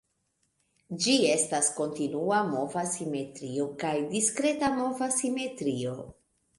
Ĝi estas kontinua mova simetrio kaj diskreta mova simetrio.